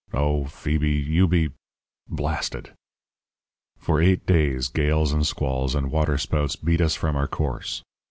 Oh, Phoebe, you be blasted!' "For eight days gales and squalls and waterspouts beat us from our course.